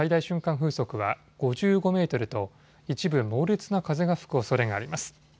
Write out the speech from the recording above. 風速は５５メートルと一部、猛烈な風が吹くおそれがあります。